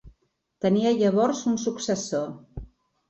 Tenia llavors un successor.